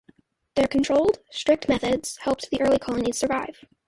Their controlled, strict methods helped the early colonies survive.